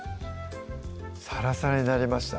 サラサラになりました